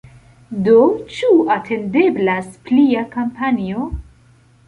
Do ĉu atendeblas plia kampanjo?